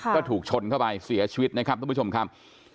ก็ถูกชนเข้าไปเสียชีวิตนะครับทุกผู้ชมครับ